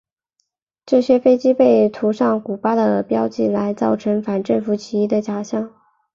这些飞机被涂上古巴的标记来造成反政府起义的假象。